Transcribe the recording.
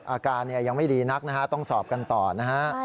อาการยังไม่ดีนักต้องสอบกันต่อนะครับ